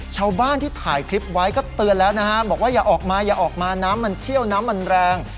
ชาวบ้านที่ถ่ายคลิปไว้ก็เตือนแล้วนะฮะบอกว่าอย่าออกมาอย่าออกมาน้ำมันเชี่ยวน้ำมันแรง